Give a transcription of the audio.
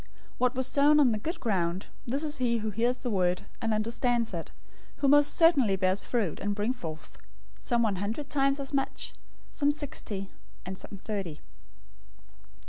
013:023 What was sown on the good ground, this is he who hears the word, and understands it, who most certainly bears fruit, and brings forth, some one hundred times as much, some sixty, and some thirty."